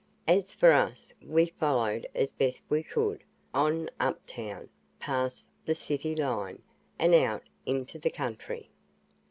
As for us, we followed as best we could, on uptown, past the city line, and out into the country.